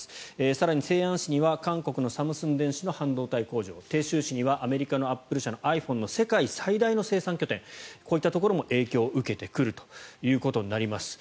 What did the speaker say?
更に、西安市には韓国のサムスン電子の半導体工場鄭州市にはアメリカのアップル社のｉＰｈｏｎｅの世界最大の生産拠点こういったところも影響を受けてくるということになります。